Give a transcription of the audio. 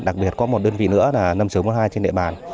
đặc biệt có một đơn vị nữa là năm nghìn một mươi hai trên địa bàn